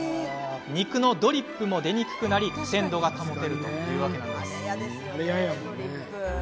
肉のドリップも出にくくなり鮮度が保てるというわけなんです。